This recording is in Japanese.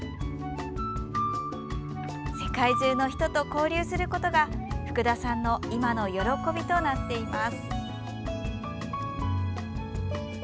世界中の人と交流することが福田さんの今の喜びとなっています。